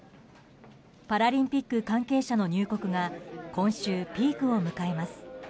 パラリンピック関係者の入国が今週、ピークを迎えます。